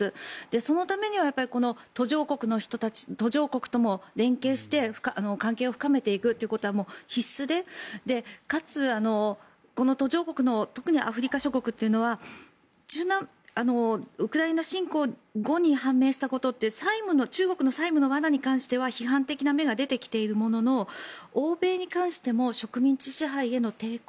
そのためにはこの途上国とも連携をして関係を深めていくということは必須でかつ、この途上国の特にアフリカ諸国というのはウクライナ侵攻後に判明したことって中国の債務の罠に関しては批判的な目が出てきているものの欧米に関しても植民地支配への抵抗